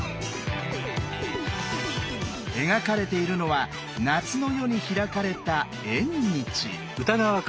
描かれているのは夏の夜に開かれた縁日。